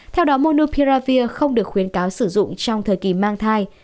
theo đó monopiravir không được khuyên cáo sử dụng trong thời kỳ mang thai